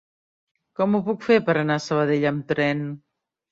Com ho puc fer per anar a Sabadell amb tren?